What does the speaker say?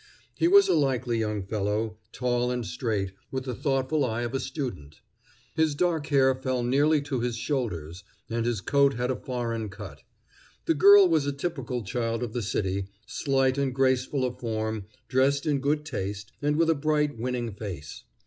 He was a likely young fellow, tall and straight, with the thoughtful eye of a student. His dark hair fell nearly to his shoulders, and his coat had a foreign cut. The girl was a typical child of the city, slight and graceful of form, dressed in good taste, and with a bright, winning face.